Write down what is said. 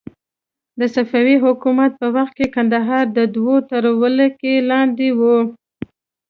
د صفوي حکومت په وخت کې کندهار د دوی تر ولکې لاندې و.